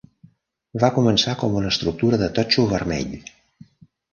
Va començar com una estructura de totxo vermell.